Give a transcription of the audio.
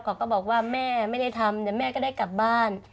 เขาก็บอกว่าแม่ไม่ได้ทำเดี๋ยวแม่ก็ได้กลับบ้าน